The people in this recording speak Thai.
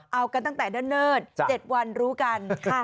เอากันตั้งแต่เนิ่น๗วันรู้กัน